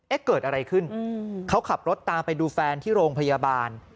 เกิดอะไรขึ้นเขาขับรถตามไปดูแฟนที่โรงพยาบาล